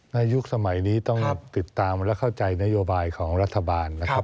ยุคสมัยนี้ต้องติดตามและเข้าใจนโยบายของรัฐบาลนะครับ